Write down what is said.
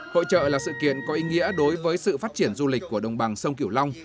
hội trợ là sự kiện có ý nghĩa đối với sự phát triển du lịch của đồng bằng sông kiểu long